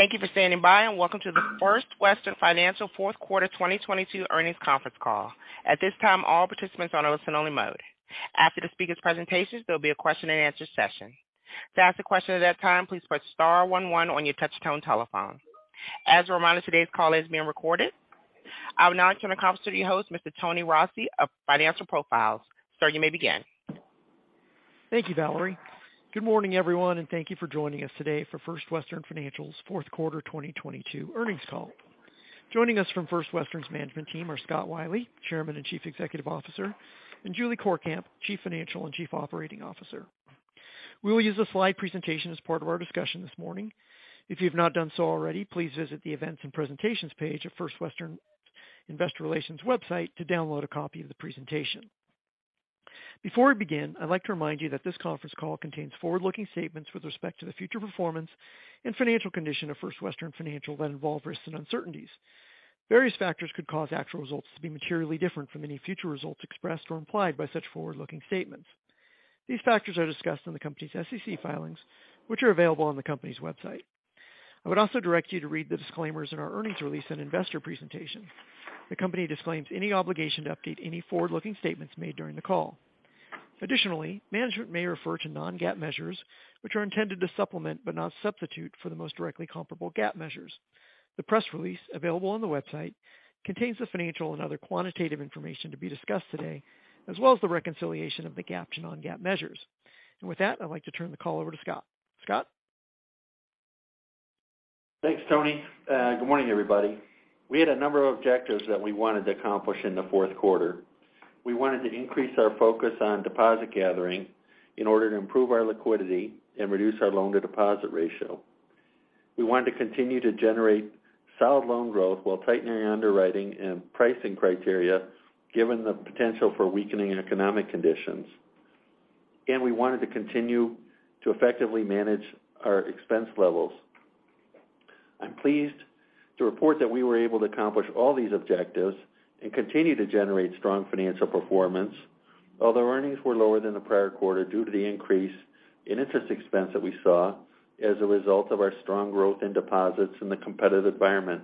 Thank you for standing by, and welcome to the First Western Financial Fourth Quarter 2022 Earnings Conference Call. At this time, all participants are on a listen-only mode. After the speakers' presentations, there'll be a question-and-answer session. To ask a question at that time, please press star 11 on your touchtone telephone. As a reminder, today's call is being recorded. I would now turn the conference to your host, Mr. Tony Rossi of Financial Profiles. Sir, you may begin. Thank you, Valerie. Good morning, everyone, and thank you for joining us today for First Western Financial's fourth quarter 2022 earnings call. Joining us from First Western's management team are Scott Wylie, Chairman and Chief Executive Officer, and Julie Courkamp, Chief Financial and Chief Operating Officer. We will use a slide presentation as part of our discussion this morning. If you've not done so already, please visit the Events and Presentations page at First Western Investor Relations website to download a copy of the presentation. Before we begin, I'd like to remind you that this conference call contains forward-looking statements with respect to the future performance and financial condition of First Western Financial that involve risks and uncertainties. Various factors could cause actual results to be materially different from any future results expressed or implied by such forward-looking statements. These factors are discussed in the company's SEC filings, which are available on the company's website. I would also direct you to read the disclaimers in our earnings release and investor presentation. The company disclaims any obligation to update any forward-looking statements made during the call. Additionally, management may refer to non-GAAP measures, which are intended to supplement but not substitute for the most directly comparable GAAP measures. The press release available on the website contains the financial and other quantitative information to be discussed today, as well as the reconciliation of the GAAP to non-GAAP measures. With that, I'd like to turn the call over to Scott. Scott? Thanks, Tony. Good morning, everybody. We had a number of objectives that we wanted to accomplish in the fourth quarter. We wanted to increase our focus on deposit gathering in order to improve our liquidity and reduce our loan-to-deposit ratio. We wanted to continue to generate solid loan growth while tightening our underwriting and pricing criteria, given the potential for weakening economic conditions. We wanted to continue to effectively manage our expense levels. I'm pleased to report that we were able to accomplish all these objectives and continue to generate strong financial performance. Although earnings were lower than the prior quarter due to the increase in interest expense that we saw as a result of our strong growth in deposits in the competitive environment,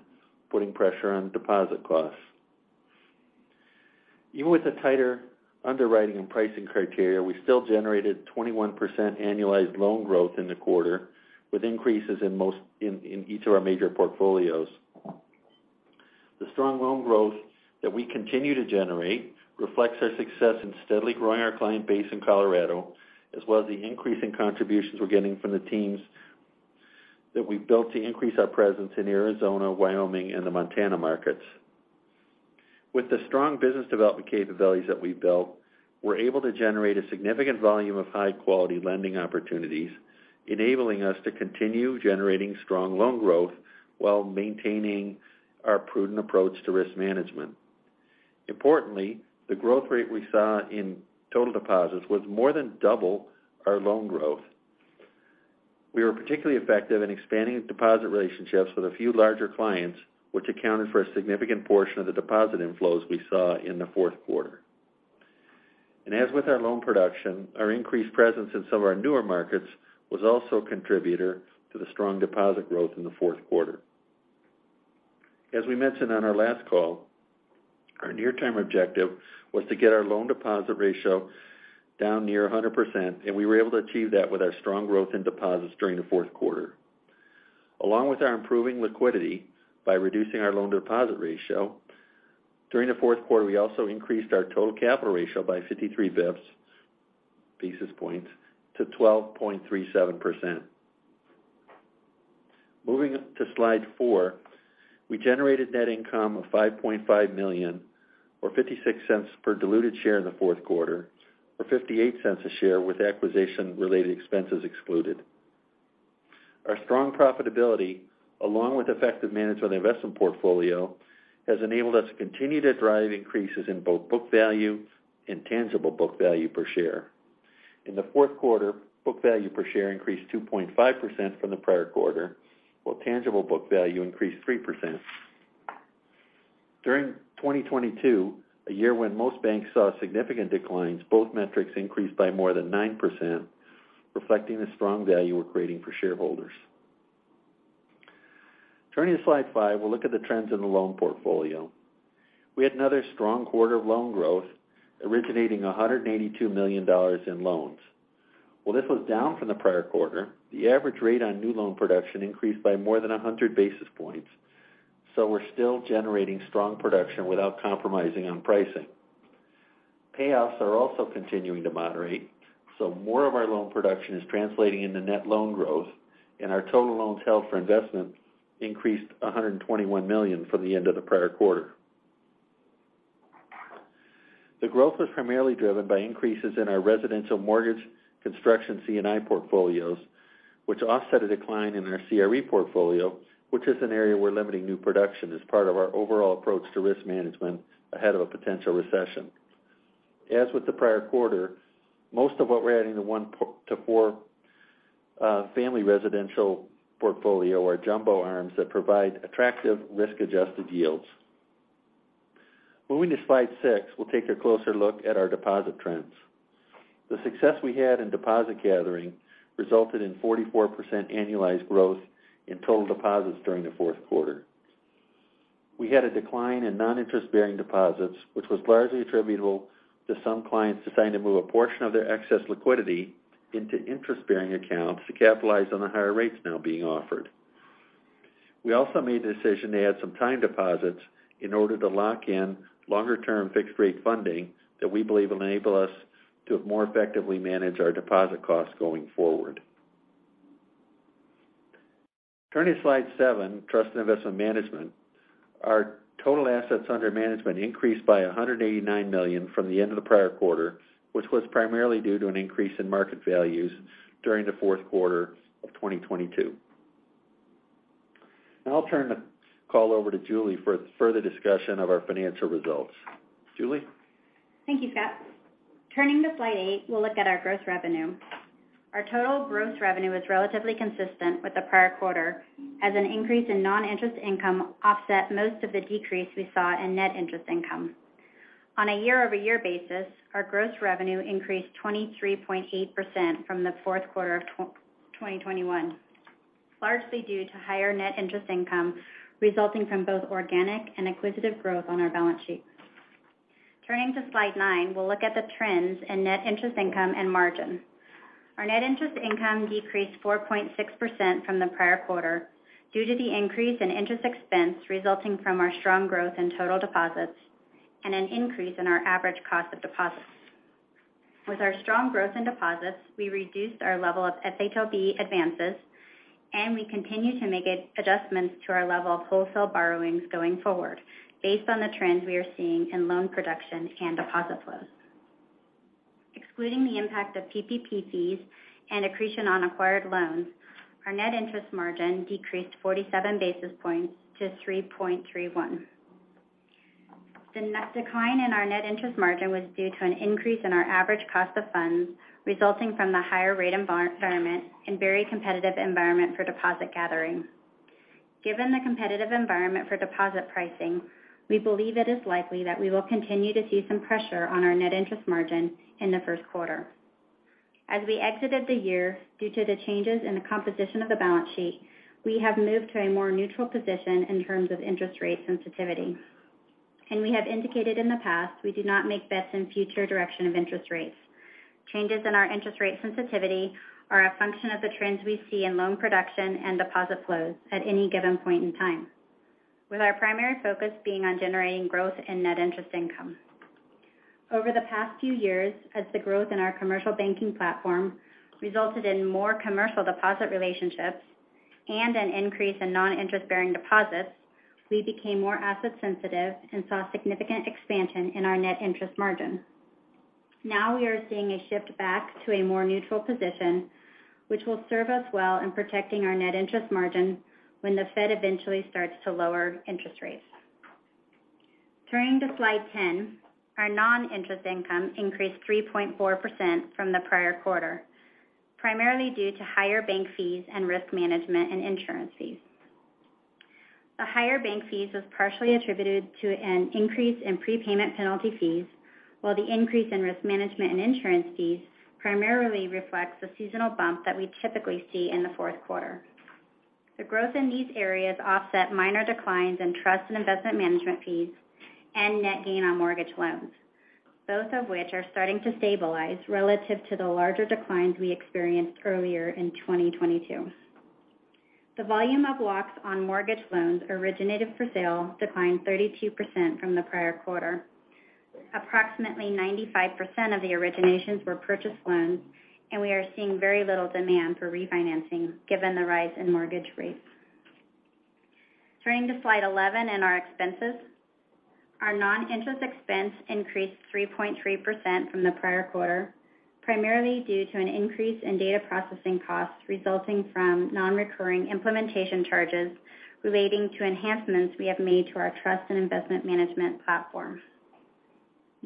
putting pressure on deposit costs. Even with the tighter underwriting and pricing criteria, we still generated 21% annualized loan growth in the quarter, with increases in each of our major portfolios. The strong loan growth that we continue to generate reflects our success in steadily growing our client base in Colorado, as well as the increasing contributions we're getting from the teams that we've built to increase our presence in Arizona, Wyoming, and the Montana markets. With the strong business development capabilities that we've built, we're able to generate a significant volume of high-quality lending opportunities, enabling us to continue generating strong loan growth while maintaining our prudent approach to risk management. Importantly, the growth rate we saw in total deposits was more than double our loan growth. We were particularly effective in expanding deposit relationships with a few larger clients, which accounted for a significant portion of the deposit inflows we saw in the fourth quarter. As with our loan production, our increased presence in some of our newer markets was also a contributor to the strong deposit growth in the fourth quarter. As we mentioned on our last call, our near-term objective was to get our loan deposit ratio down near 100%, and we were able to achieve that with our strong growth in deposits during the fourth quarter. Along with our improving liquidity by reducing our loan deposit ratio, during the fourth quarter, we also increased our total capital ratio by 53 basis points, to 12.37%. Moving to slide four, we generated net income of $5.5 million or $0.56 per diluted share in the fourth quarter, or $0.58 a share with acquisition-related expenses excluded. Our strong profitability, along with effective management of the investment portfolio, has enabled us to continue to drive increases in both book value and tangible book value per share. In the fourth quarter, book value per share increased 2.5% from the prior quarter, while tangible book value increased 3%. During 2022, a year when most banks saw significant declines, both metrics increased by more than 9%, reflecting the strong value we're creating for shareholders. Turning to slide five, we'll look at the trends in the loan portfolio. We had another strong quarter of loan growth, originating $182 million in loans. While this was down from the prior quarter, the average rate on new loan production increased by more than 100 basis points, so we're still generating strong production without compromising on pricing. Payoffs are also continuing to moderate, so more of our loan production is translating into net loan growth, and our total loans held for investment increased $121 million from the end of the prior quarter. The growth was primarily driven by increases in our residential mortgage construction C&I portfolios, which offset a decline in our CRE portfolio, which is an area we're limiting new production as part of our overall approach to risk management ahead of a potential recession. As with the prior quarter, most of what we're adding to one to four family residential portfolio are jumbo ARMs that provide attractive risk-adjusted yields. Moving to slide six, we'll take a closer look at our deposit trends. The success we had in deposit gathering resulted in 44% annualized growth in total deposits during the fourth quarter. We had a decline in non-interest-bearing deposits, which was largely attributable to some clients deciding to move a portion of their excess liquidity into interest-bearing accounts to capitalize on the higher rates now being offered. We also made the decision to add some time deposits in order to lock in longer-term fixed-rate funding that we believe will enable us to more effectively manage our deposit costs going forward. Turning to slide seven, trust and investment management. Our total assets under management increased by $189 million from the end of the prior quarter, which was primarily due to an increase in market values during the fourth quarter of 2022. I'll turn the call over to Julie for further discussion of our financial results. Julie? Thank you, Scott. Turning to slide eight, we'll look at our gross revenue. Our total gross revenue was relatively consistent with the prior quarter as an increase in non-interest income offset most of the decrease we saw in net interest income. On a year-over-year basis, our gross revenue increased 23.8% from the fourth quarter of 2021, largely due to higher net interest income resulting from both organic and acquisitive growth on our balance sheet. Turning to slide nine, we'll look at the trends in net interest income and margin. Our net interest income decreased 4.6% from the prior quarter due to the increase in interest expense resulting from our strong growth in total deposits and an increase in our average cost of deposits. With our strong growth in deposits, we reduced our level of FHLB advances. We continue to make adjustments to our level of wholesale borrowings going forward based on the trends we are seeing in loan production and deposit flows. Excluding the impact of PPP fees and accretion on acquired loans, our net interest margin decreased 47 basis points to 3.31. The net decline in our net interest margin was due to an increase in our average cost of funds resulting from the higher rate environment and very competitive environment for deposit gathering. Given the competitive environment for deposit pricing, we believe it is likely that we will continue to see some pressure on our net interest margin in the first quarter. As we exited the year, due to the changes in the composition of the balance sheet, we have moved to a more neutral position in terms of interest rate sensitivity. We have indicated in the past, we do not make bets in future direction of interest rates. Changes in our interest rate sensitivity are a function of the trends we see in loan production and deposit flows at any given point in time, with our primary focus being on generating growth in net interest income. Over the past few years, as the growth in our commercial banking platform resulted in more commercial deposit relationships and an increase in non-interest-bearing deposits, we became more asset sensitive and saw significant expansion in our net interest margin. We are seeing a shift back to a more neutral position, which will serve us well in protecting our net interest margin when the Fed eventually starts to lower interest rates. Turning to slide 10, our non-interest income increased 3.4% from the prior quarter, primarily due to higher bank fees and risk management and insurance fees. The higher bank fees was partially attributed to an increase in prepayment penalty fees, while the increase in risk management and insurance fees primarily reflects the seasonal bump that we typically see in the fourth quarter. The growth in these areas offset minor declines in trust and investment management fees and net gain on mortgage loans, both of which are starting to stabilize relative to the larger declines we experienced earlier in 2022. The volume of locks on mortgage loans originated for sale declined 32% from the prior quarter. Approximately 95% of the originations were purchase loans, and we are seeing very little demand for refinancing given the rise in mortgage rates. Turning to slide 11 and our expenses. Our non-interest expense increased 3.3% from the prior quarter, primarily due to an increase in data processing costs resulting from non-recurring implementation charges relating to enhancements we have made to our trust and investment management platform.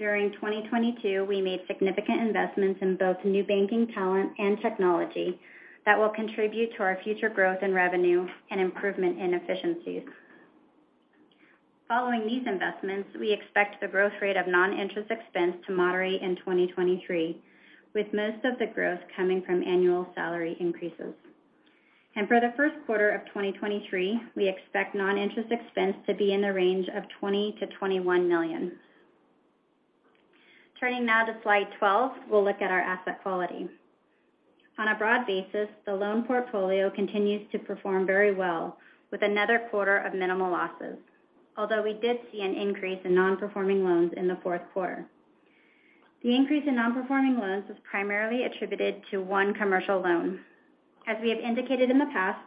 During 2022, we made significant investments in both new banking talent and technology that will contribute to our future growth in revenue and improvement in efficiencies. Following these investments, we expect the growth rate of non-interest expense to moderate in 2023, with most of the growth coming from annual salary increases. For the first quarter of 2023, we expect non-interest expense to be in the range of $20 million-$21 million. Turning now to slide 12, we'll look at our asset quality. On a broad basis, the loan portfolio continues to perform very well with another quarter of minimal losses, although we did see an increase in non-performing loans in the fourth quarter. The increase in non-performing loans was primarily attributed to one commercial loan. As we have indicated in the past,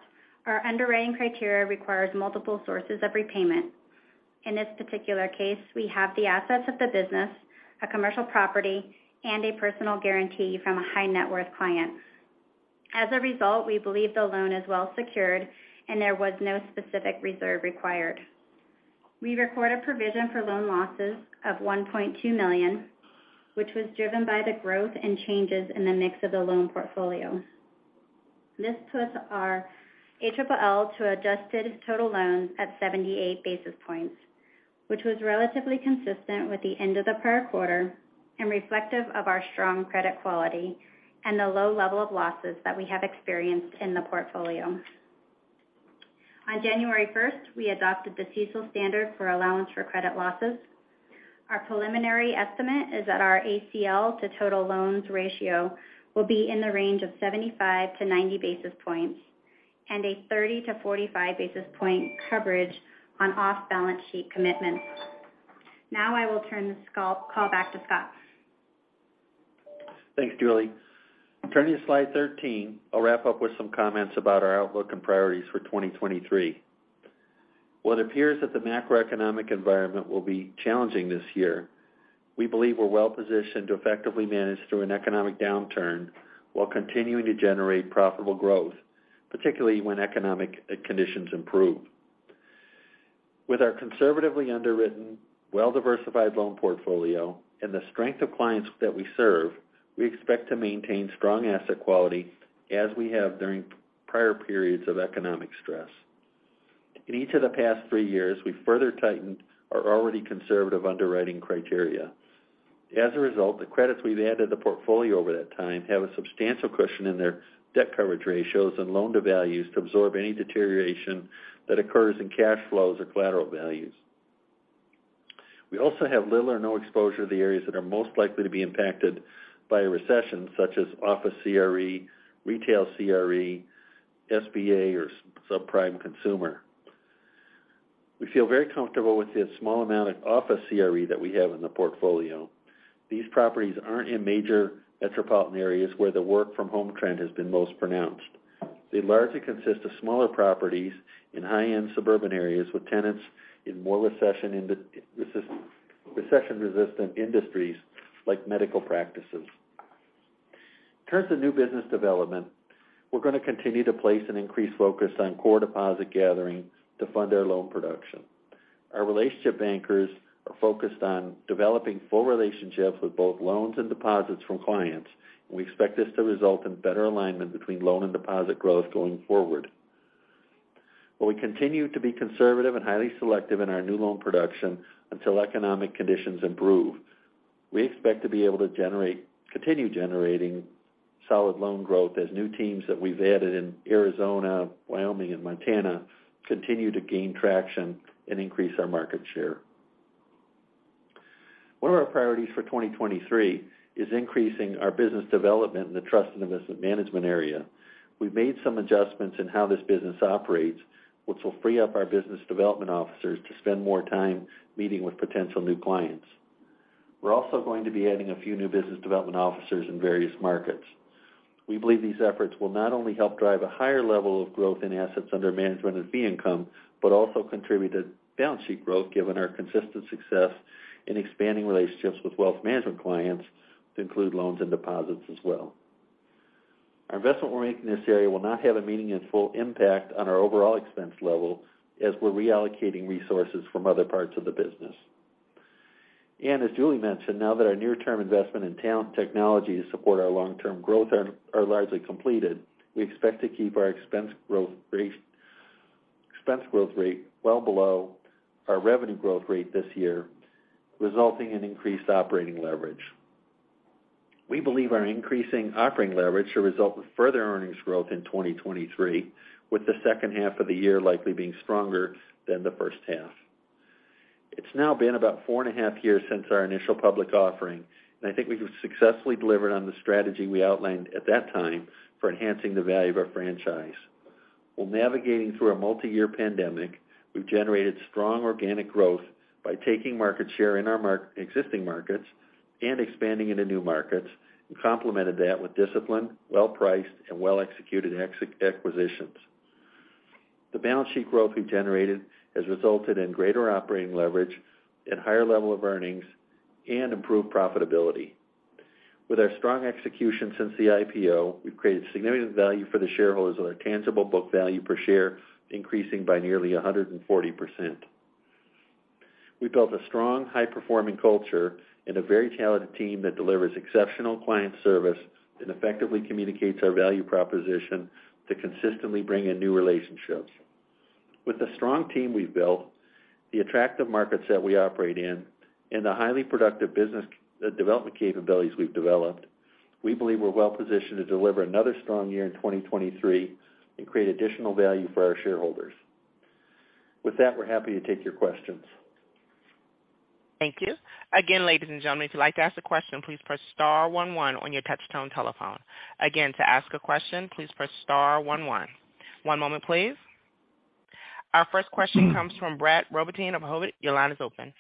our underwriting criteria requires multiple sources of repayment. In this particular case, we have the assets of the business, a commercial property, and a personal guarantee from a high net worth client. As a result, we believe the loan is well secured and there was no specific reserve required. We record a provision for loan losses of $1.2 million, which was driven by the growth and changes in the mix of the loan portfolio. This puts our ALL to adjusted total loans at 78 basis points, which was relatively consistent with the end of the prior quarter and reflective of our strong credit quality and the low level of losses that we have experienced in the portfolio. On January 1st, we adopted the CECL standard for allowance for credit losses. Our preliminary estimate is that our ACL to total loans ratio will be in the range of 75-90 basis points and a 30-45 basis point coverage on off-balance sheet commitments. I will turn this call back to Scott. Thanks, Julie Courkamp. Turning to slide 13, I'll wrap up with some comments about our outlook and priorities for 2023. While it appears that the macroeconomic environment will be challenging this year, we believe we're well-positioned to effectively manage through an economic downturn while continuing to generate profitable growth, particularly when economic conditions improve. With our conservatively underwritten, well-diversified loan portfolio and the strength of clients that we serve, we expect to maintain strong asset quality as we have during prior periods of economic stress. In each of the past three years, we've further tightened our already conservative underwriting criteria. As a result, the credits we've added to the portfolio over that time have a substantial cushion in their debt coverage ratios and loan to values to absorb any deterioration that occurs in cash flows or collateral values. We also have little or no exposure to the areas that are most likely to be impacted by a recession such as office CRE, retail CRE, SBA, or subprime consumer. We feel very comfortable with the small amount of office CRE that we have in the portfolio. These properties aren't in major metropolitan areas where the work from home trend has been most pronounced. They largely consist of smaller properties in high-end suburban areas with tenants in more recession-resistant industries like medical practices. In terms of new business development, we're going to continue to place an increased focus on core deposit gathering to fund our loan production. Our relationship bankers are focused on developing full relationships with both loans and deposits from clients. We expect this to result in better alignment between loan and deposit growth going forward. While we continue to be conservative and highly selective in our new loan production until economic conditions improve, we expect to be able to continue generating solid loan growth as new teams that we've added in Arizona, Wyoming, and Montana continue to gain traction and increase our market share. One of our priorities for 2023 is increasing our business development in the trust and investment management area. We've made some adjustments in how this business operates, which will free up our business development officers to spend more time meeting with potential new clients. We're also going to be adding a few new business development officers in various markets. We believe these efforts will not only help drive a higher level of growth in assets under management and fee income, but also contribute to balance sheet growth given our consistent success in expanding relationships with wealth management clients to include loans and deposits as well. Our investment we're making in this area will not have a meaningful impact on our overall expense level as we're reallocating resources from other parts of the business. As Julie mentioned, now that our near-term investment in talent and technology to support our long-term growth are largely completed, we expect to keep our expense growth rate well below our revenue growth rate this year, resulting in increased operating leverage. We believe our increasing operating leverage should result in further earnings growth in 2023, with the second half of the year likely being stronger than the first half. It's now been about 4.5 years since our initial public offering, and I think we've successfully delivered on the strategy we outlined at that time for enhancing the value of our franchise. While navigating through a multiyear pandemic, we've generated strong organic growth by taking market share in our existing markets and expanding into new markets, and complemented that with disciplined, well-priced, and well-executed acquisitions. The balance sheet growth we've generated has resulted in greater operating leverage and higher level of earnings and improved profitability. With our strong execution since the IPO, we've created significant value for the shareholders with our tangible book value per share increasing by nearly 140%. We've built a strong, high-performing culture and a very talented team that delivers exceptional client service and effectively communicates our value proposition to consistently bring in new relationships. With the strong team we've built, the attractive markets that we operate in, and the highly productive business development capabilities we've developed, we believe we're well-positioned to deliver another strong year in 2023 and create additional value for our shareholders. With that, we're happy to take your questions. Thank you. Again, ladies and gentlemen, if you'd like to ask a question, please press star one one on your touch-tone telephone. Again, to ask a question, please press star one one. One moment, please. Our first question comes from Brett Rabatin of Hovde Group. Your line is open.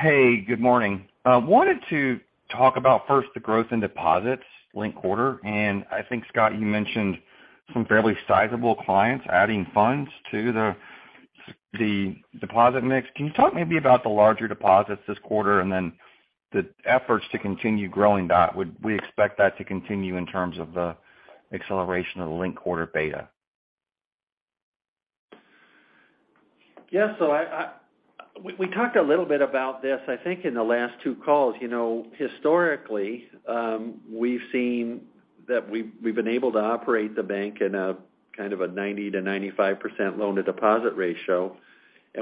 Good morning. I wanted to talk about first the growth in deposits linked quarter. I think, Scott, you mentioned some fairly sizable clients adding funds to the deposit mix. Can you talk maybe about the larger deposits this quarter and then the efforts to continue growing that? Would we expect that to continue in terms of the acceleration of the linked quarter beta? Yes. We talked a little bit about this, I think, in the last two calls. You know, historically, we've seen that we've been able to operate the bank in a kind of a 90%-95% loan to deposit ratio.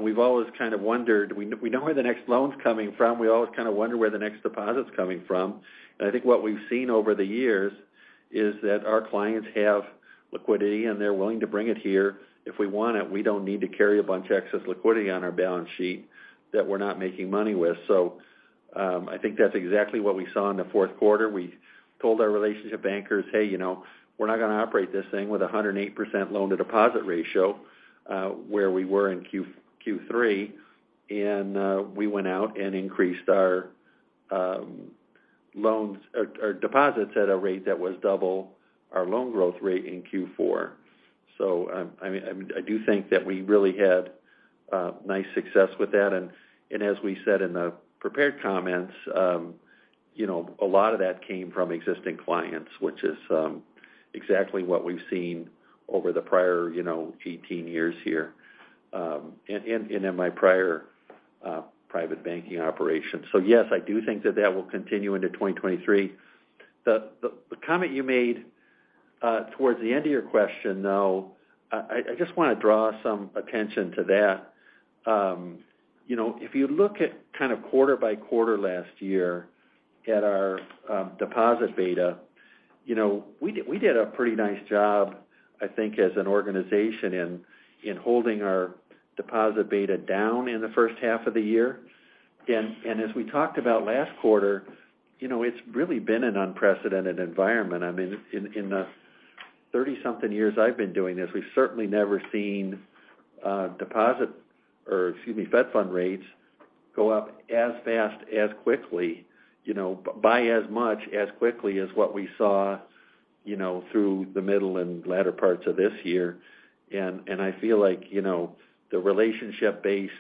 We've always kind of wondered, we know where the next loan's coming from. We always kind of wonder where the next deposit's coming from. I think what we've seen over the years is that our clients have liquidity, and they're willing to bring it here if we want it. We don't need to carry a bunch of excess liquidity on our balance sheet that we're not making money with. I think that's exactly what we saw in the fourth quarter. We told our relationship bankers, "Hey, you know, we're not gonna operate this thing with a 108% loan to deposit ratio," where we were in Q3. We went out and increased our deposits at a rate that was double our loan growth rate in Q4. I mean, I do think that we really had nice success with that. As we said in the prepared comments, you know, a lot of that came from existing clients, which is exactly what we've seen over the prior, you know, 18 years here, and in my prior private banking operation. Yes, I do think that that will continue into 2023. The comment you made towards the end of your question, though, I just wanna draw some attention to that. You know, if you look at kind of quarter by quarter last year at our deposit beta, you know, we did a pretty nice job, I think, as an organization in holding our deposit beta down in the first half of the year. As we talked about last quarter, you know, it's really been an unprecedented environment. I mean, in the 30 something years I've been doing this, we've certainly never seen Fed funds rates go up as fast, as quickly, you know, by as much, as quickly as what we saw, you know, through the middle and latter parts of this year. I feel like, you know, the relationship based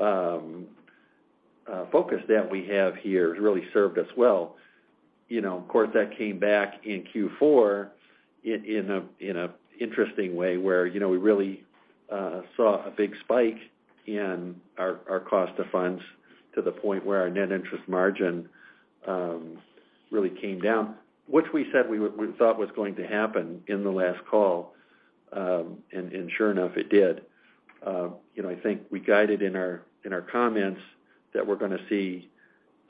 focus that we have here has really served us well. You know, of course, that came back in Q4 in an interesting way where, you know, we really saw a big spike in our cost of funds to the point where our net interest margin really came down, which we said we thought was going to happen in the last call. Sure enough, it did. You know, I think we guided in our, in our comments that we're gonna see,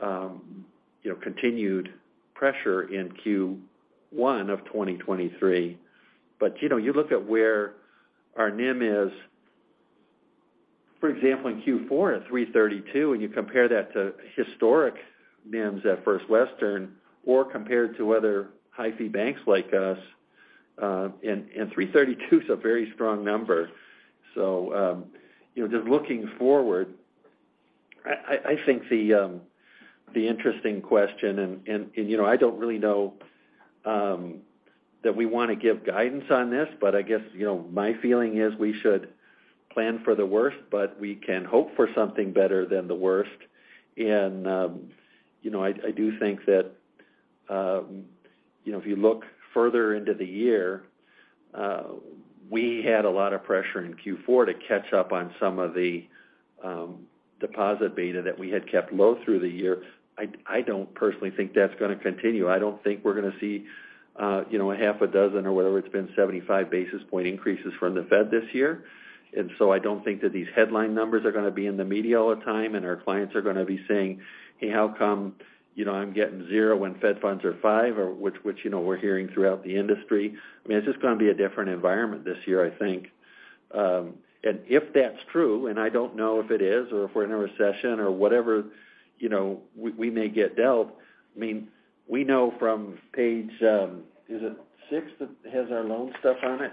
you know, continued pressure in Q1 of 2023. You know, you look at where our NIM is, for example, in Q4 at 3.32%, and you compare that to historic NIMs at First Western or compared to other high fee banks like us, and 3.32% is a very strong number. You know, just looking forward, I think the interesting question and, you know, I don't really know that we wanna give guidance on this, but I guess, you know, my feeling is we should plan for the worst, but we can hope for something better than the worst. You know, I do think that, you know, if you look further into the year, we had a lot of pressure in Q4 to catch up on some of the deposit beta that we had kept low through the year. I don't personally think that's gonna continue. I don't think we're gonna see, you know, a half a dozen or whatever it's been 75 basis point increases from the Fed this year. I don't think that these headline numbers are gonna be in the media all the time, and our clients are gonna be saying, "Hey, how come, you know, I'm getting zero when Fed funds are five?" Which, you know, we're hearing throughout the industry. I mean, it's just gonna be a different environment this year, I think. If that's true, and I don't know if it is, or if we're in a recession or whatever, you know, we may get dealt. I mean, we know from page, is it six that has our loan stuff on it?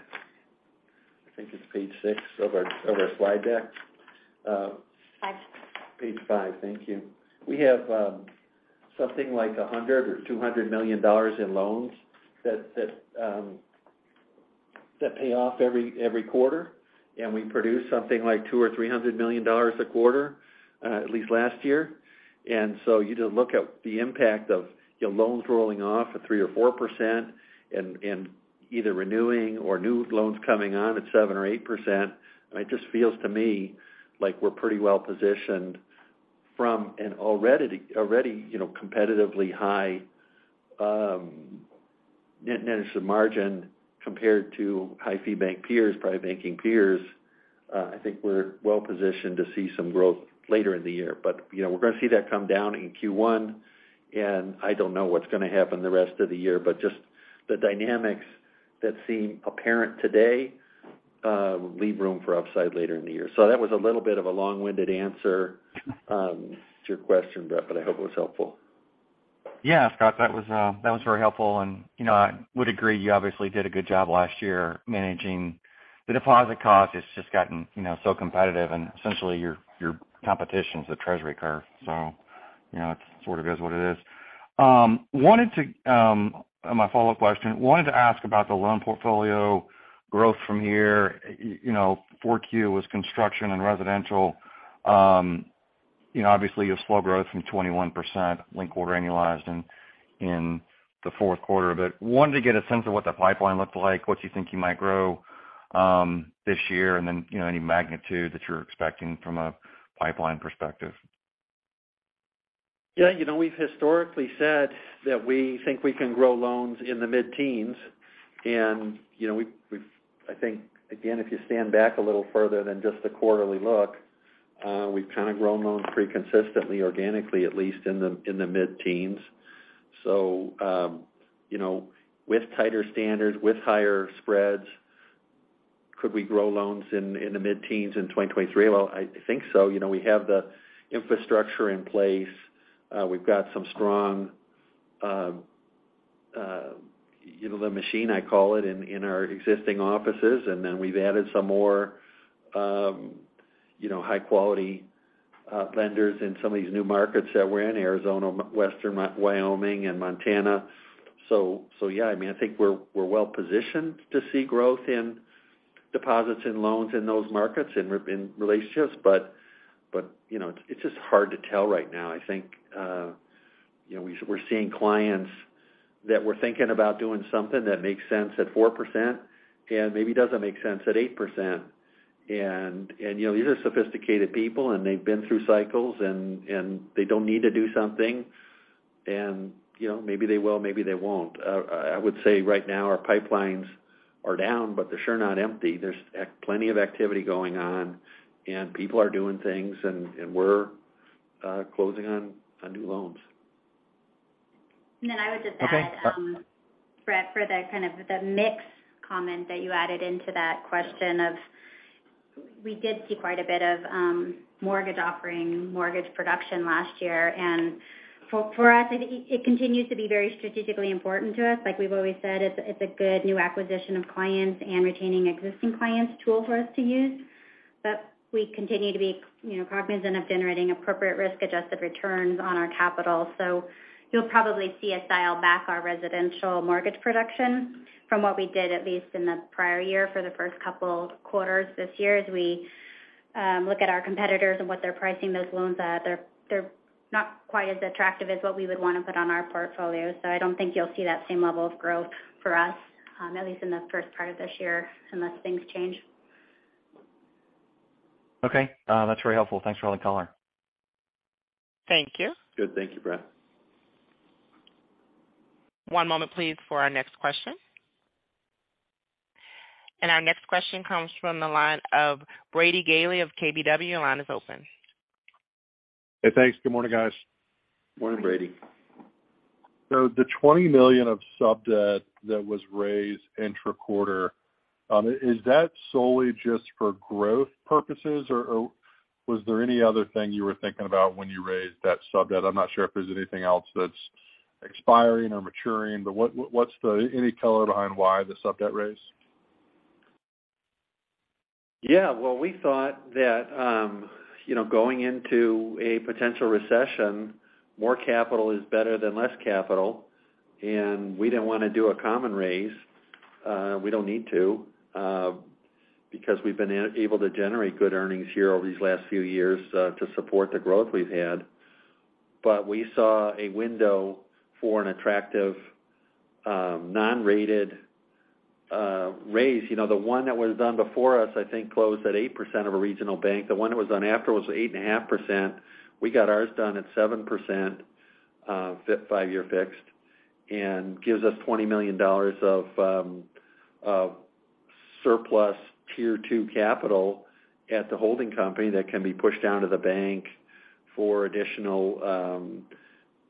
I think it's page six of our slide deck. Um- Five. Page five. Thank you. We have something like $100 million or $200 million in loans that pay off every quarter. We produce something like $200 million or $300 million a quarter, at least last year. You just look at the impact of, you know, loans rolling off at 3% or 4% and either renewing or new loans coming on at 7% or 8%. It just feels to me like we're pretty well positioned from an already, you know, competitively high net interest margin compared to high fee bank peers, private banking peers. I think we're well positioned to see some growth later in the year. You know, we're gonna see that come down in Q1, and I don't know what's gonna happen the rest of the year. Just the dynamics that seem apparent today, leave room for upside later in the year. That was a little bit of a long-winded answer, to your question, Brett, but I hope it was helpful. Scott, that was very helpful. You know, I would agree, you obviously did a good job last year managing the deposit cost. It's just gotten, you know, so competitive and essentially your competition's the treasury curve. You know, it sort of is what it is. My follow-up question, wanted to ask about the loan portfolio growth from here. You know, 4Q was construction and residential. You know, obviously, you have slow growth from 21% linked quarter annualized in the fourth quarter. Wanted to get a sense of what the pipeline looked like, what you think you might grow this year, and then, you know, any magnitude that you're expecting from a pipeline perspective. Yeah. You know, we've historically said that we think we can grow loans in the mid-teens. You know, I think again, if you stand back a little further than just the quarterly look, we've kind of grown loans pretty consistently organically, at least in the mid-teens. You know, with tighter standards, with higher spreads, could we grow loans in the mid-teens in 2023? Well, I think so. You know, we have the infrastructure in place. We've got some strong, you know, the machine, I call it, in our existing offices. Then we've added some more, you know, high-quality, lenders in some of these new markets that we're in, Arizona, Western Wyoming and Montana. So yeah. I mean, I think we're well positioned to see growth in deposits and loans in those markets in relationships. you know, it's just hard to tell right now. I think, you know, we're seeing clients that were thinking about doing something that makes sense at 4% and maybe doesn't make sense at 8%. you know, these are sophisticated people, and they've been through cycles and they don't need to do something. you know, maybe they will, maybe they won't. I would say right now our pipelines are down, but they're sure not empty. There's plenty of activity going on, and people are doing things, and we're closing on new loans. Then I would just add, Brett, for the kind of the mix comment that you added into that question of we did see quite a bit of mortgage offering, mortgage production last year. For us, it continues to be very strategically important to us. Like we've always said, it's a good new acquisition of clients and retaining existing clients tool for us to use. We continue to be, you know, cognizant of generating appropriate risk-adjusted returns on our capital. You'll probably see us dial back our residential mortgage production from what we did, at least in the prior year, for the first couple quarters this year as we look at our competitors and what they're pricing those loans at. They're not quite as attractive as what we would wanna put on our portfolio. I don't think you'll see that same level of growth for us, at least in the first part of this year, unless things change. Okay. That's very helpful. Thanks for all the color. Thank you. Good. Thank you, Brett. One moment, please, for our next question. Our next question comes from the line of Brady Gailey of KBW. Your line is open. Hey, thanks. Good morning, guys. Morning, Brady. The $20 million of sub-debt that was raised intra-quarter, is that solely just for growth purposes, or was there any other thing you were thinking about when you raised that sub-debt? I'm not sure if there's anything else that's expiring or maturing. What's the any color behind why the sub-debt raise? Well, we thought that, you know, going into a potential recession, more capital is better than less capital, and we didn't want to do a common raise. We don't need to, because we've been able to generate good earnings here over these last few years, to support the growth we've had. We saw a window for an attractive, non-rated, raise. You know, the one that was done before us, I think, closed at 8% of a regional bank. The one that was done after was 8.5%. We got ours done at 7%, 5-year fixed. Gives us $20 million of surplus Tier 2 capital at the holding company that can be pushed down to the bank for additional,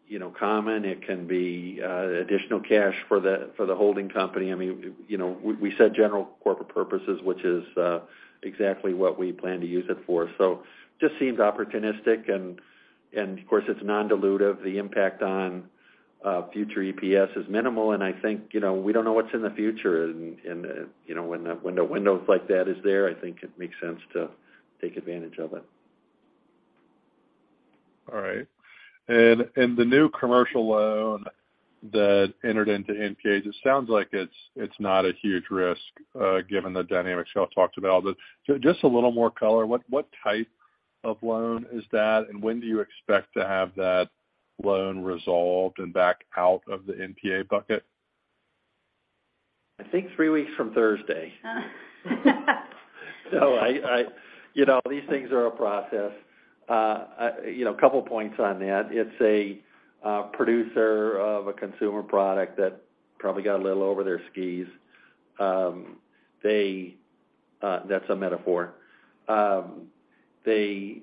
you know, common. It can be additional cash for the, for the holding company. I mean, you know, we said general corporate purposes, which is exactly what we plan to use it for. Just seems opportunistic and of course, it's non-dilutive. The impact on future EPS is minimal. I think, you know, we don't know what's in the future and, you know, when the windows like that is there, I think it makes sense to take advantage of it. All right. The new commercial loan that entered into NPAs, it sounds like it's not a huge risk, given the dynamics y'all talked about. Just a little more color, what type of loan is that? When do you expect to have that loan resolved and back out of the NPA bucket? I think three weeks from Thursday. No. You know, these things are a process. You know, a couple points on that. It's a producer of a consumer product that probably got a little over their skis. They, that's a metaphor. They,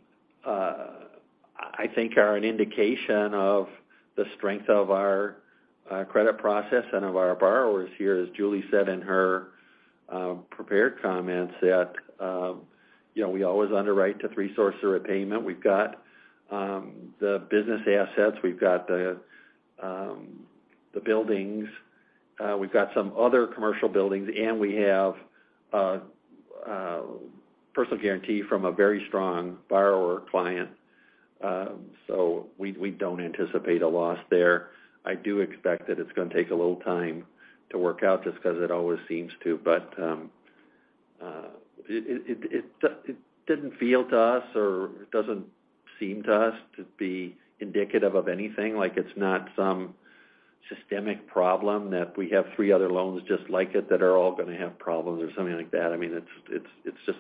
I think are an indication of the strength of our credit process and of our borrowers here, as Julie said in her prepared comments that, you know, we always underwrite to resource or repayment. We've got the business assets. We've got the buildings. We've got some other commercial buildings, and we have a personal guarantee from a very strong borrower client. We don't anticipate a loss there. I do expect that it's gonna take a little time to work out just 'cause it always seems to. It didn't feel to us or it doesn't seem to us to be indicative of anything. Like, it's not some systemic problem that we have three other loans just like it that are all gonna have problems or something like that. I mean, it's, it's just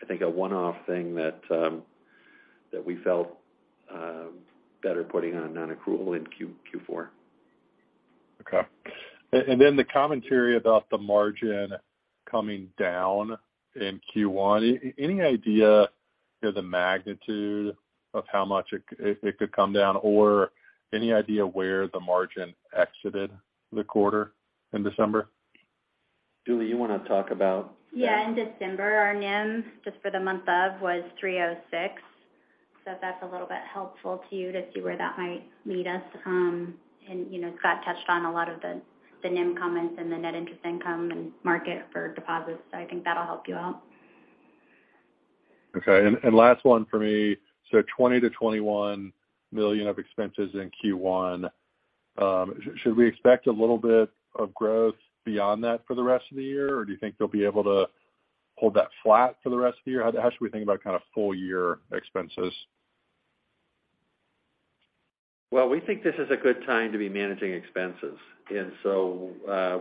I think a one-off thing that we felt better putting on non-accrual in Q4. Okay. Then the commentary about the margin coming down in Q1. Any idea the magnitude of how much it could come down or any idea where the margin exited the quarter in December? Julie, you wanna talk about- Yeah. In December, our NIM, just for the month of, was 3.06%. If that's a little bit helpful to you to see where that might lead us. You know, Scott touched on a lot of the NIM comments and the net interest income and market for deposits, I think that'll help you out. Okay. Last one for me. $20 million-$21 million of expenses in Q1. Should we expect a little bit of growth beyond that for the rest of the year or do you think they'll be able to hold that flat for the rest of the year? How should we think about kind of full year expenses? Well, we think this is a good time to be managing expenses.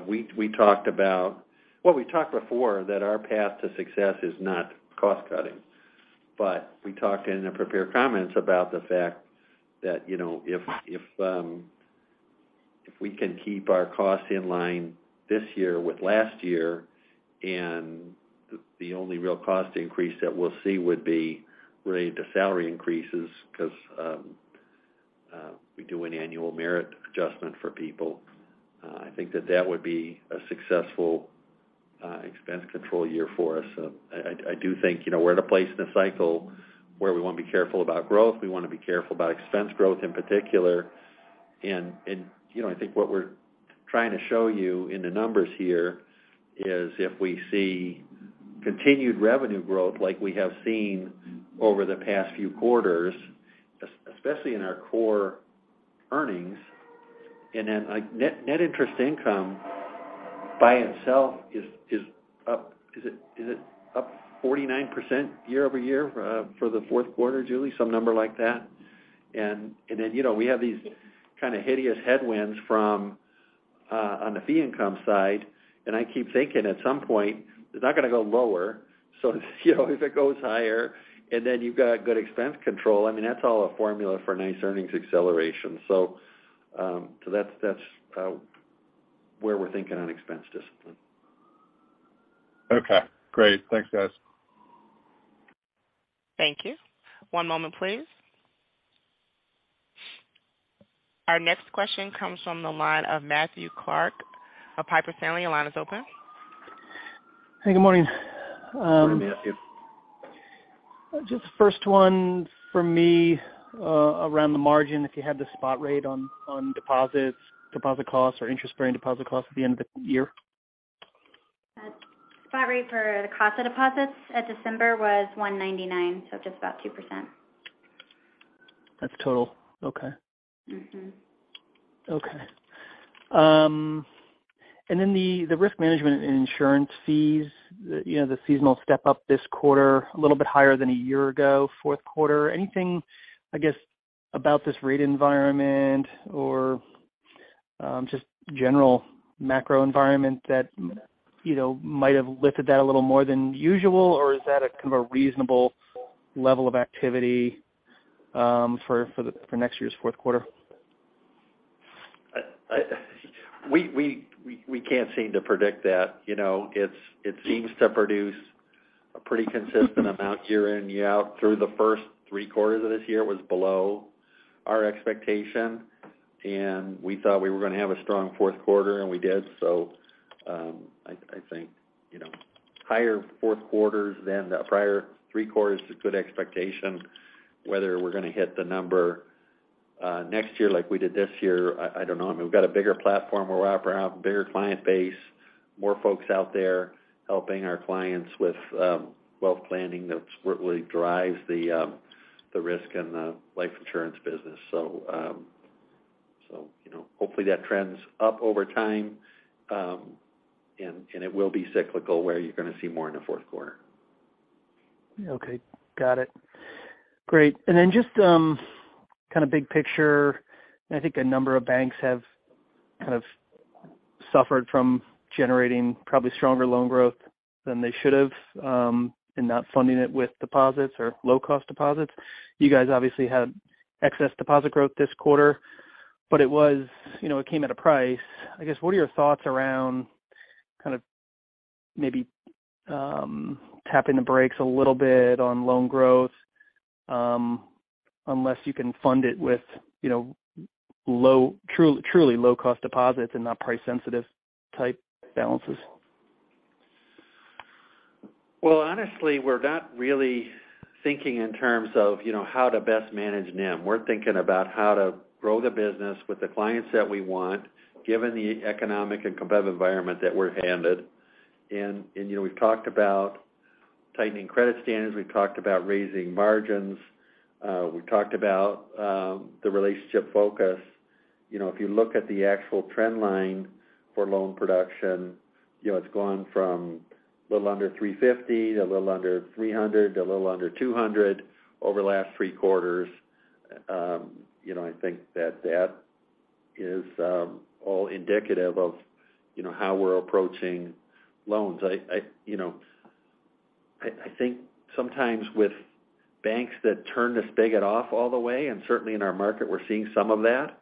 We talked about. Well, we talked before that our path to success is not cost cutting. We talked in the prepared comments about the fact that, you know, if we can keep our costs in line this year with last year and the only real cost increase that we'll see would be related to salary increases 'cause we do an annual merit adjustment for people, I think that that would be a successful expense control year for us. I do think, you know, we're at a place in the cycle where we wanna be careful about growth. We wanna be careful about expense growth in particular. You know, I think what we're trying to show you in the numbers here is if we see continued revenue growth like we have seen over the past few quarters, especially in our core earnings, and then, like, net interest income by itself is up. Is it up 49% year-over-year for the fourth quarter, Julie? Some number like that. Then, you know, we have these kind of hideous headwinds from on the fee income side, and I keep thinking at some point it's not gonna go lower. You know, if it goes higher and then you've got good expense control, I mean, that's all a formula for nice earnings acceleration. That's where we're thinking on expense discipline. Okay, great. Thanks, guys. Thank you. One moment please. Our next question comes from the line of Matthew Clark of Piper Sandler. Your line is open. Hey, good morning. Good morning, Matthew. Just first one for me, around the margin, if you had the spot rate on deposits, deposit costs or interest bearing deposit costs at the end of the year? Spot rate for the cost of deposits at December was 1.99%, so just about 2%. That's total? Okay. Mm-hmm. Okay. Then the risk management and insurance fees, the, you know, the seasonal step up this quarter a little bit higher than a year ago, fourth quarter. Anything, I guess, about this rate environment or just general macro environment that, you know, might have lifted that a little more than usual or is that a kind of a reasonable level of activity for next year's fourth quarter? We can't seem to predict that. You know, it seems to produce a pretty consistent amount year in, year out. Through the first three quarters of this year was below our expectation, and we thought we were gonna have a strong fourth quarter, and we did. I think, you know, higher fourth quarters than the prior three quarters is a good expectation. Whether we're gonna hit the number next year like we did this year, I don't know. I mean, we've got a bigger platform we're operating off, a bigger client base, more folks out there helping our clients with wealth planning. That's what really drives the risk and the life insurance business. You know, hopefully, that trends up over time. It will be cyclical, where you're gonna see more in the fourth quarter. Okay, got it. Great. kind of big picture, I think a number of banks have kind of suffered from generating probably stronger loan growth than they should have, and not funding it with deposits or low cost deposits. You guys obviously had excess deposit growth this quarter, but you know, it came at a price. I guess, what are your thoughts around kind of maybe tapping the brakes a little bit on loan growth, unless you can fund it with, you know, truly low cost deposits and not price sensitive type balances? Well, honestly, we're not really thinking in terms of, you know, how to best manage NIM. We're thinking about how to grow the business with the clients that we want given the economic and competitive environment that we're handed. You know, we've talked about tightening credit standards. We've talked about raising margins. We've talked about the relationship focus. You know, if you look at the actual trend line for loan production, you know, it's gone from a little under $350, to a little under $300, to a little under $200 over the last three quarters. You know, I think that that is all indicative of, you know, how we're approaching loans. I, you know, I think sometimes with banks that turn this spigot off all the way, and certainly in our market, we're seeing some of that,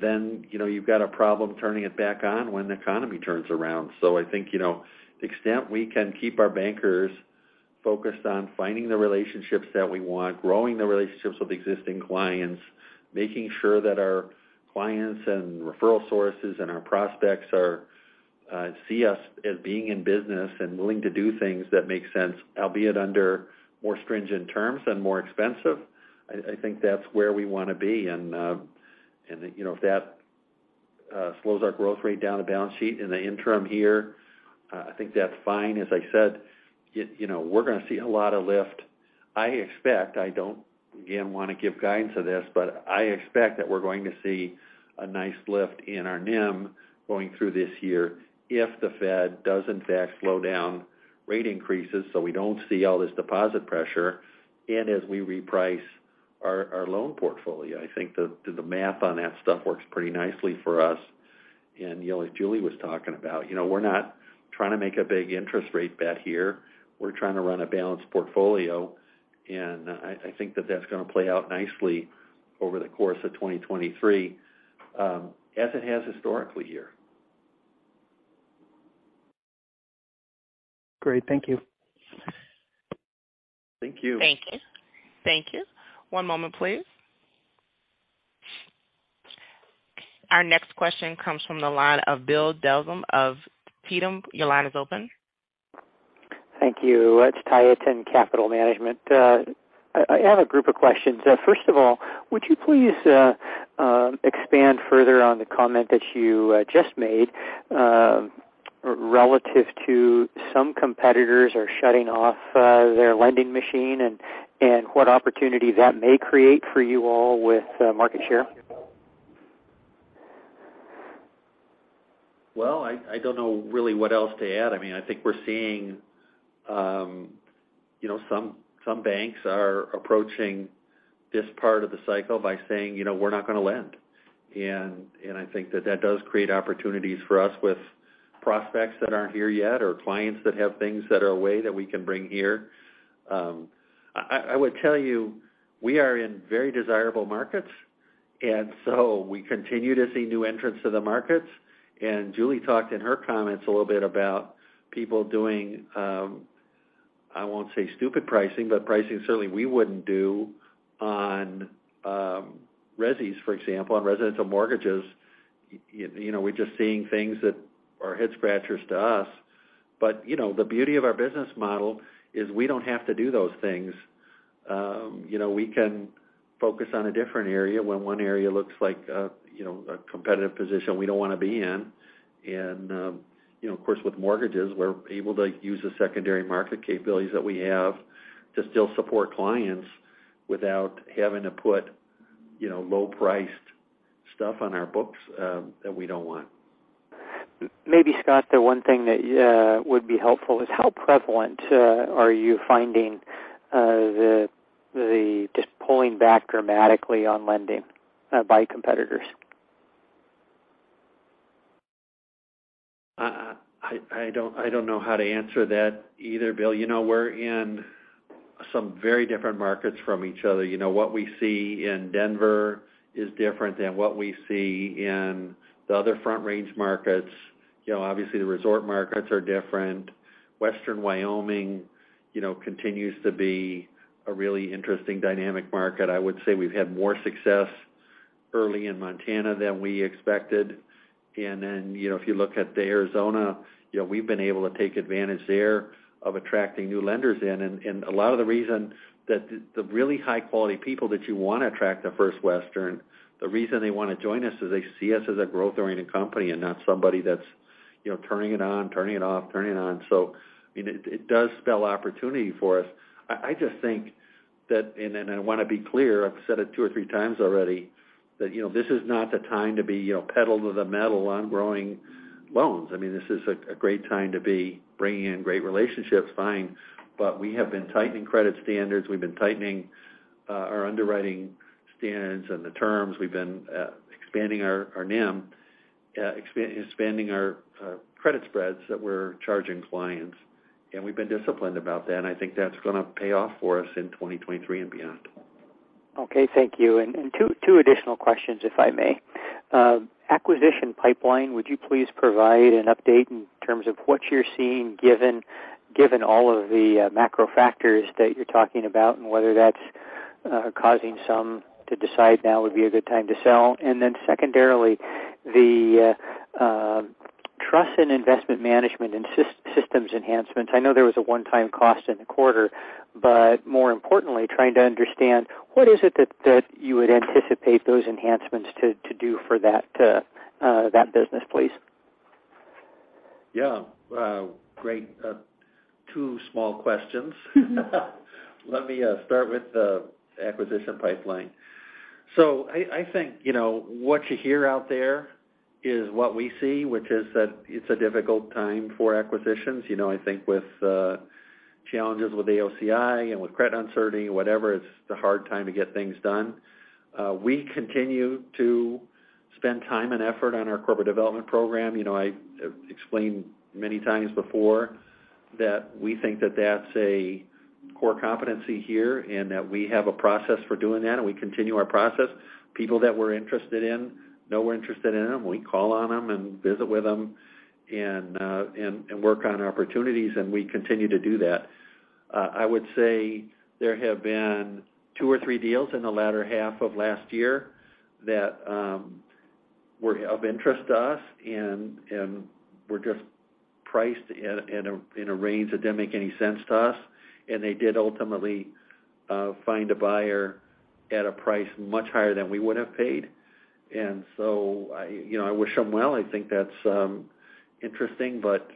then, you know, you've got a problem turning it back on when the economy turns around. I think, you know, the extent we can keep our bankers focused on finding the relationships that we want, growing the relationships with existing clients, making sure that our clients and referral sources and our prospects are, see us as being in business and willing to do things that make sense, albeit under more stringent terms and more expensive, I think that's where we wanna be. You know, if that slows our growth rate down the balance sheet in the interim here, I think that's fine. As I said, you know, we're gonna see a lot of lift. I expect, I don't, again, wanna give guidance to this, but I expect that we're going to see a nice lift in our NIM going through this year if the Fed does in fact slow down rate increases, so we don't see all this deposit pressure, and as we reprice our loan portfolio. I think the math on that stuff works pretty nicely for us. You know, as Julie was talking about, you know, we're not trying to make a big interest rate bet here. We're trying to run a balanced portfolio. I think that that's gonna play out nicely over the course of 2023, as it has historically here. Great. Thank you. Thank you. Thank you. Thank you. One moment please. Our next question comes from the line of Bill Dezellem of Tieton Capital. Your line is open. Thank you. It's Tieton Capital Management. I have a group of questions. First of all, would you please expand further on the comment that you just made relative to some competitors are shutting off their lending machine and what opportunity that may create for you all with market share? I don't know really what else to add. I mean, I think we're seeing, you know, some banks are approaching this part of the cycle by saying, you know, we're not gonna lend. I think that that does create opportunities for us with prospects that aren't here yet or clients that have things that are away that we can bring here. I, I would tell you, we are in very desirable markets, and so we continue to see new entrants to the markets. Julie Courkamp talked in her comments a little bit about people doing, I won't say stupid pricing, but pricing certainly we wouldn't do on, resis, for example, on residential mortgages. You know, we're just seeing things that are head scratchers to us. You know, the beauty of our business model is we don't have to do those things. You know, we can focus on a different area when one area looks like, you know, a competitive position we don't wanna be in. You know, of course, with mortgages, we're able to use the secondary market capabilities that we have to still support clients without having to put, you know, low priced stuff on our books that we don't want. Maybe, Scott, the one thing that would be helpful is how prevalent are you finding the just pulling back dramatically on lending by competitors? I don't know how to answer that either, Bill. You know, we're in some very different markets from each other. You know, what we see in Denver is different than what we see in the other Front Range markets. You know, obviously the resort markets are different. Western Wyoming, you know, continues to be a really interesting dynamic market. I would say we've had more success early in Montana than we expected. Then, you know, if you look at Arizona, you know, we've been able to take advantage there of attracting new lenders in. A lot of the reason that the really high quality people that you wanna attract to First Western, the reason they wanna join us is they see us as a growth-oriented company and not somebody that's, you know, turning it on, turning it off, turning it on. I mean, it does spell opportunity for us. I just think that I wanna be clear, I've said it two or three times already, that, you know, this is not the time to be, you know, pedal to the metal on growing loans. I mean, this is a great time to be bringing in great relationships, fine, but we have been tightening credit standards. We've been tightening our underwriting standards and the terms. We've been expanding our NIM, expanding our credit spreads that we're charging clients, and we've been disciplined about that. I think that's gonna pay off for us in 2023 and beyond. Okay. Thank you. Two additional questions, if I may. Acquisition pipeline, would you please provide an update in terms of what you're seeing given all of the macro factors that you're talking about, and whether that's causing some to decide now would be a good time to sell? Secondarily, the trust and investment management and systems enhancements. I know there was a one-time cost in the quarter. More importantly, trying to understand what is it that you would anticipate those enhancements to do for that business, please? Yeah. Great. Two small questions. Let me start with the acquisition pipeline. I think, you know, what you hear out there is what we see, which is that it's a difficult time for acquisitions. You know, I think with challenges with AOCI and with credit uncertainty, whatever, it's the hard time to get things done. We continue to spend time and effort on our corporate development program. You know, I've explained many times before that we think that that's a core competency here, and that we have a process for doing that, and we continue our process. People that we're interested in know we're interested in them. We call on them and visit with them and work on opportunities, and we continue to do that. I would say there have been 2 or 3 deals in the latter half of last year that were of interest to us and were just priced in a range that didn't make any sense to us. They did ultimately find a buyer at a price much higher than we would have paid. I, you know, I wish them well. I think that's interesting, but,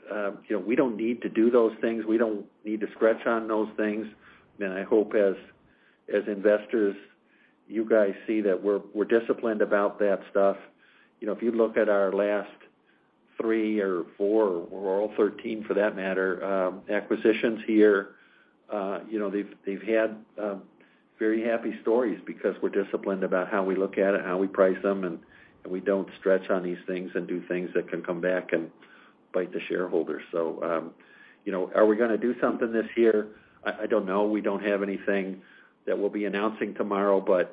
you know, we don't need to do those things. We don't need to stretch on those things. I hope as investors, you guys see that we're disciplined about that stuff. You know, if you look at our last three or four or all 13 for that matter, acquisitions here, you know, they've had very happy stories because we're disciplined about how we look at it, how we price them, and we don't stretch on these things and do things that can come back and bite the shareholders. You know, are we gonna do something this year? I don't know. We don't have anything that we'll be announcing tomorrow, but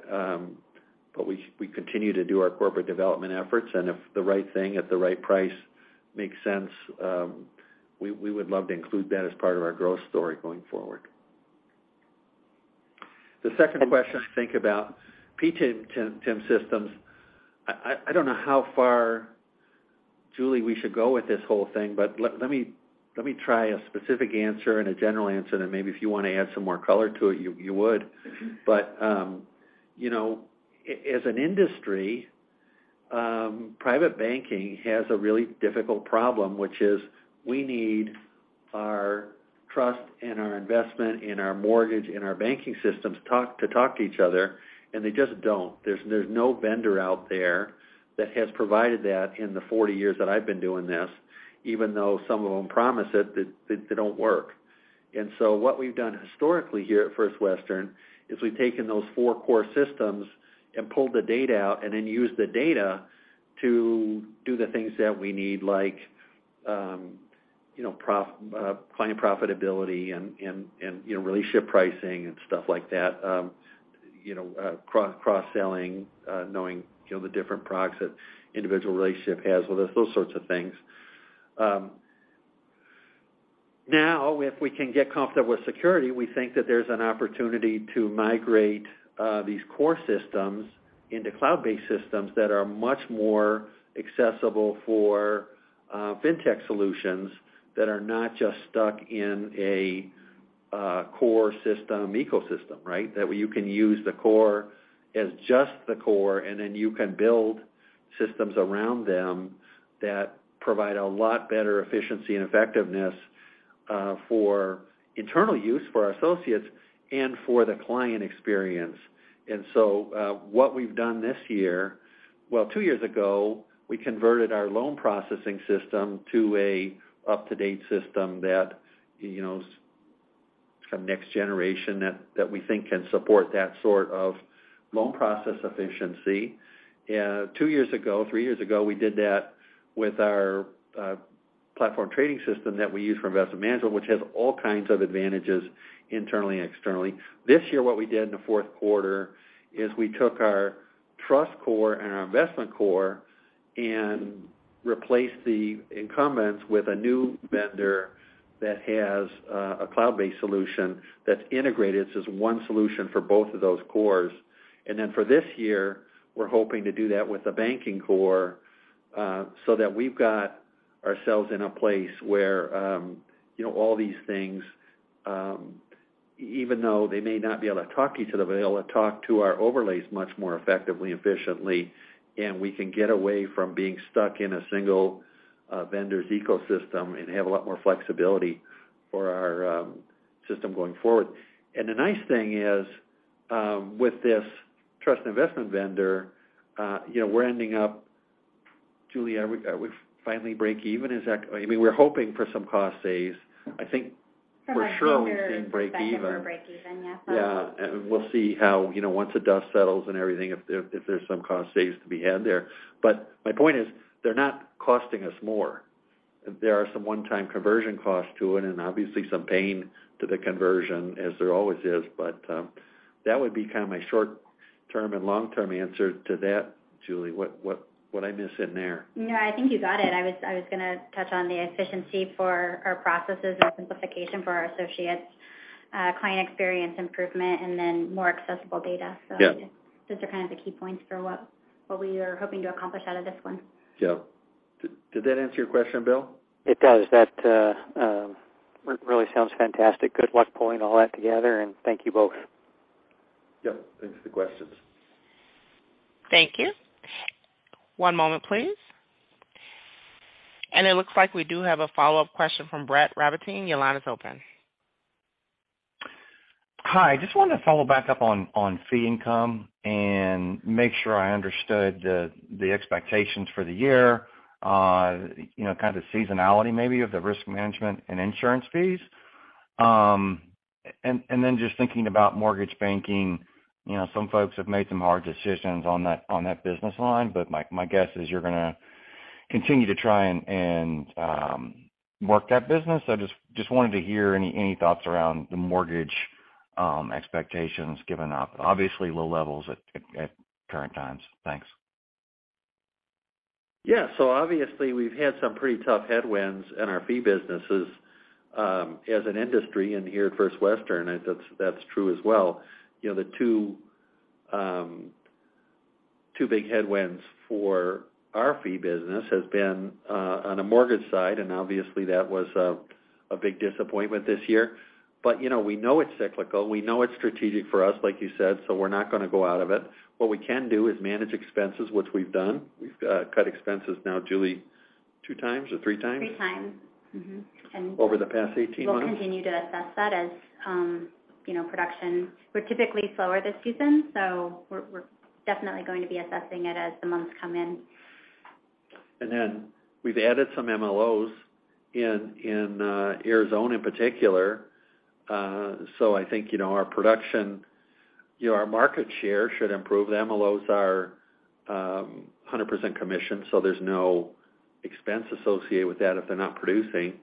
we continue to do our corporate development efforts. If the right thing at the right price makes sense, we would love to include that as part of our growth story going forward. The second question, I think about PTM systems. I don't know how far, Julie, we should go with this whole thing, but let me try a specific answer and a general answer, and maybe if you want to add some more color to it, you would. Mm-hmm. You know, as an industry, private banking has a really difficult problem, which is we need our trust and our investment and our mortgage and our banking systems to talk to each other, and they just don't. There's no vendor out there that has provided that in the 40 years that I've been doing this, even though some of them promise it, they don't work. So what we've done historically here at First Western is we've taken those four core systems and pulled the data out and then used the data to do the things that we need, like, you know, client profitability and, you know, relationship pricing and stuff like that. You know, cross-selling, knowing, you know, the different products that individual relationship has with us, those sorts of things. Now, if we can get comfortable with security, we think that there's an opportunity to migrate these core systems into cloud-based systems that are much more accessible for fintech solutions that are not just stuck in a core system ecosystem, right? That you can use the core as just the core, and then you can build systems around them that provide a lot better efficiency and effectiveness for internal use for our associates and for the client experience. What we've done this year. Well, 2 years ago, we converted our loan processing system to a up-to-date system that, you know, is kind of next generation that we think can support that sort of loan process efficiency. Two years ago, three years ago, we did that with our platform trading system that we use for investment management, which has all kinds of advantages internally and externally. This year, what we did in the fourth quarter is we took our trust core and our investment core and replaced the incumbents with a new vendor that has a cloud-based solution that's integrated. It's one solution for both of those cores. For this year, we're hoping to do that with a banking core, so that we've got ourselves in a place where, you know, all these things, even though they may not be able to talk to each other, they'll be able to talk to our overlays much more effectively and efficiently, and we can get away from being stuck in a single vendor's ecosystem and have a lot more flexibility for our system going forward. The nice thing is, with this trust and investment vendor, you know, we're ending up. Julie Courkamp, are we finally breakeven? I mean, we're hoping for some cost saves. I think for sure we can break even. From a vendor perspective, we're breakeven, yes. Yeah. We'll see how, you know, once the dust settles and everything, if there's some cost saves to be had there. My point is, they're not costing us more. There are some one-time conversion costs to it and obviously some pain to the conversion as there always is. That would be kind of my short-term and long-term answer to that. Julie, what did I miss in there? No, I think you got it. I was gonna touch on the efficiency for our processes and simplification for our associates, client experience improvement, and then more accessible data. Yeah. those are kind of the key points for what we are hoping to accomplish out of this one. Yeah. Did that answer your question, Bill? It does. That really sounds fantastic. Good luck pulling all that together and thank you both. Yep. Thanks for the questions. Thank you. One moment, please. It looks like we do have a follow-up question from Brett Rabatin. Your line is open. Hi. Just wanted to follow back up on fee income and make sure I understood the expectations for the year. You know, kind of seasonality maybe of the risk management and insurance fees. And then just thinking about mortgage banking. You know, some folks have made some hard decisions on that business line, but my guess is you're gonna continue to try and work that business. I just wanted to hear any thoughts around the mortgage expectations given obviously low levels at current times. Thanks. Obviously we've had some pretty tough headwinds in our fee businesses, as an industry and here at First Western, that's true as well. You know, the two big headwinds for our fee business has been on the mortgage side, and obviously that was a big disappointment this year. You know, we know it's cyclical, we know it's strategic for us, like you said, so we're not gonna go out of it. What we can do is manage expenses, which we've done. We've cut expenses now, Julie, two times or three times? Three times. Mm-hmm. Over the past 18 months. We'll continue to assess that as, you know, production. We're typically slower this season, so we're definitely going to be assessing it as the months come in. Then we've added some MLOs in Arizona in particular. I think, you know, our production, you know, our market share should improve. The MLOs are 100% commission, so there's no expense associated with that if they're not producing,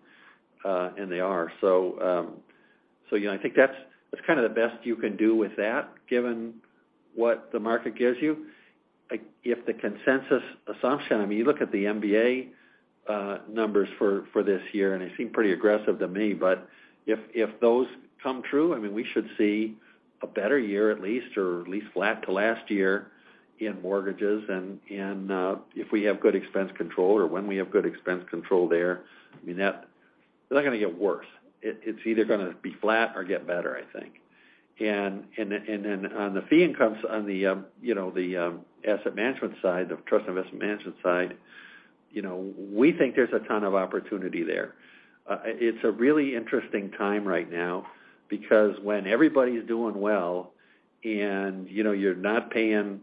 and they are. You know, I think that's kind of the best you can do with that given what the market gives you. If the consensus assumption, I mean, you look at the MBA numbers for this year, and they seem pretty aggressive to me, but if those come true, I mean, we should see a better year at least or at least flat to last year in mortgages. If we have good expense control or when we have good expense control there, I mean, that they're not gonna get worse. It's either gonna be flat or get better, I think. Then on the fee incomes on the, you know, the asset management side, the trust investment management side, you know, we think there's a ton of opportunity there. It's a really interesting time right now because when everybody's doing well and, you know, you're not paying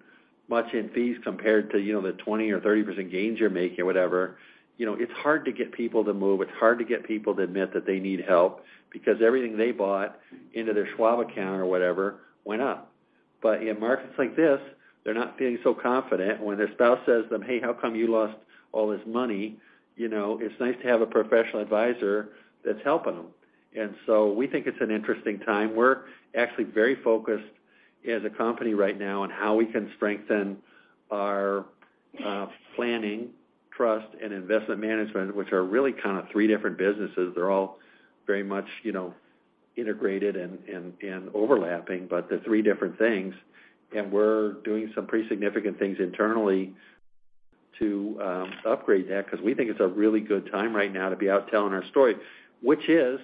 much in fees compared to, you know, the 20% or 30% gains you're making or whatever, you know, it's hard to get people to move. It's hard to get people to admit that they need help because everything they bought into their Schwab account or whatever went up. In markets like this, they're not feeling so confident when their spouse says to them, "Hey, how come you lost all this money?" You know, it's nice to have a professional advisor that's helping them. We think it's an interesting time. We're actually very focused as a company right now on how we can strengthen our planning, trust, and investment management, which are really kind of three different businesses. They're all very much, you know, integrated and, and overlapping, but they're three different things. We're doing some pretty significant things internally to upgrade that 'cause we think it's a really good time right now to be out telling our story, which is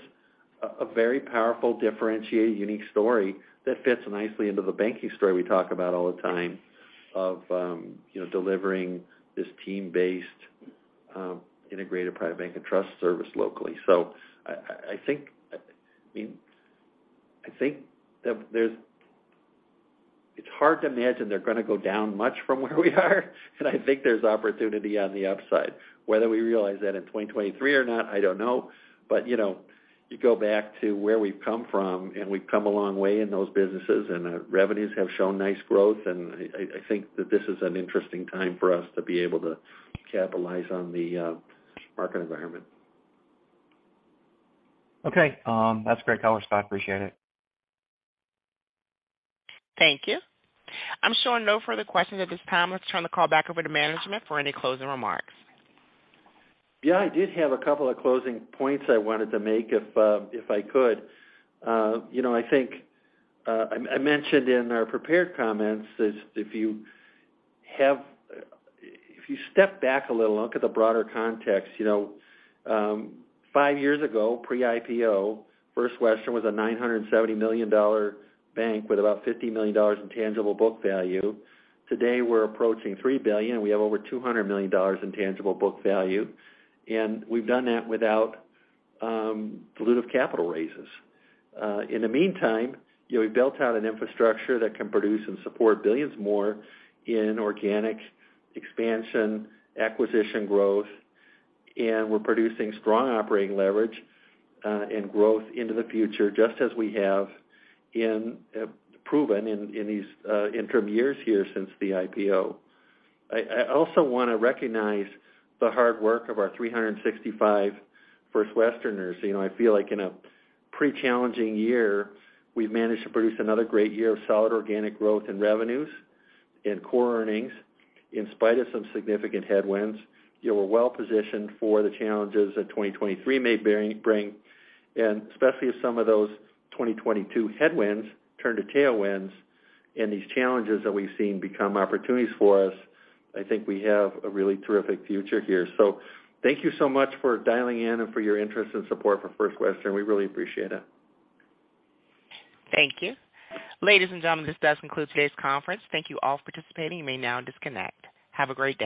a very powerful, differentiated, unique story that fits nicely into the banking story we talk about all the time of, you know, delivering this team-based, integrated private bank and trust service locally. I think, I mean, I think that there's it's hard to imagine they're gonna go down much from where we are. I think there's opportunity on the upside. Whether we realize that in 2023 or not, I don't know. You know, you go back to where we've come from, and we've come a long way in those businesses and our revenues have shown nice growth. I think that this is an interesting time for us to be able to capitalize on the market environment. Okay. That's great color, Scott. Appreciate it. Thank you. I'm showing no further questions at this time. Let's turn the call back over to management for any closing remarks. I did have a couple of closing points I wanted to make if I could. You know, I think, I mentioned in our prepared comments is if you have, if you step back a little and look at the broader context, you know, 5 years ago, pre-IPO, First Western was a $970 million bank with about $50 million in tangible book value. Today, we're approaching $3 billion, and we have over $200 million in tangible book value. We've done that without dilutive capital raises. In the meantime, you know, we've built out an infrastructure that can produce and support $ billions more in organic expansion, acquisition growth, and we're producing strong operating leverage and growth into the future, just as we have proven in these interim years here since the IPO. I also wanna recognize the hard work of our 365 First Westerners. You know, I feel like in a pretty challenging year, we've managed to produce another great year of solid organic growth in revenues and core earnings. In spite of some significant headwinds, you know, we're well positioned for the challenges that 2023 may bring, and especially if some of those 2022 headwinds turn to tailwinds and these challenges that we've seen become opportunities for us, I think we have a really terrific future here. Thank you so much for dialing in and for your interest and support for First Western. We really appreciate it. Thank you. Ladies and gentlemen, this does conclude today's conference. Thank you all for participating. You may now disconnect. Have a great day.